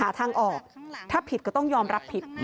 หาทางออกถ้าผิดก็ต้องยอมรับผิด